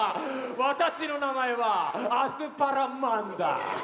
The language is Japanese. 私の名前はアスパラマンだ！